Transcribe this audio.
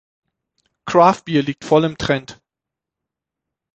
Craft Beer liegt voll im Trend.